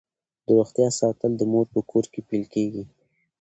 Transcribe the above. د روغتیا ساتل د مور په کور کې پیل کیږي.